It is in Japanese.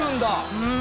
うん。